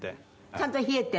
「ちゃんと冷えてんの？」